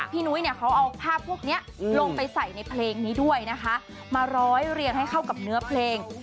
นุ้ยเนี่ยเขาเอาภาพพวกนี้ลงไปใส่ในเพลงนี้ด้วยนะคะมาร้อยเรียงให้เข้ากับเนื้อเพลง